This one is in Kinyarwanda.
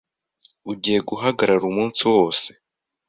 Ugiye guhagarara umunsi wose?